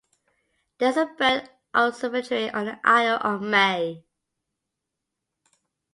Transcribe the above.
There is a bird observatory on the Isle of May.